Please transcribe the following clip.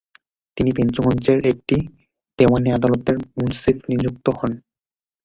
তিনি ফেঞ্চুগঞ্জের একটি দেওয়ানী আদালতের মুন্সেফ নিযুক্ত হন।